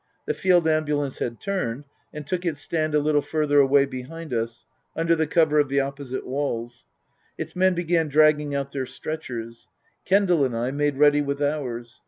The Field Ambulance had turned, and took its stand a little further away behind us, under the cover of the oppo site walls. Its men began dragging out their stretchers, Kendal and I made ready with ours.